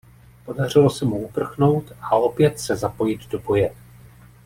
Podařilo se mu uprchnout a opět se zapojit do boje..